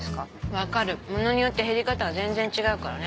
分かるものによって減り方が全然違うからね。